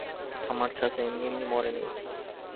আমার চাচা এমনি এমনি মরেনি।